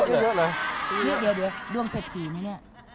เดี๋ยวดวงเศรษฐีไหม